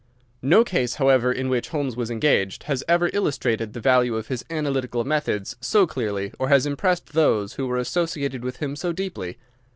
No case, however, in which Holmes was engaged has ever illustrated the value of his analytical methods so clearly or has impressed those who were associated with him so deeply.